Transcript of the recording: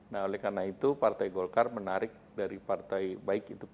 nah oleh karena itu partai golkar menarik dari partai baik itu p tiga